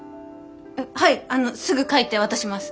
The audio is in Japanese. あっはいあのすぐ書いて渡します。